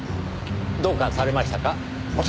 どうかされましたか？